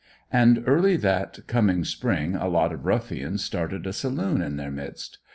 And early that coming spring a lot of ruffians started a saloon in their midst.